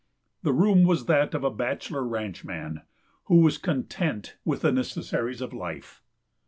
The room was that of a bachelor ranchman who was content with the necessaries of life.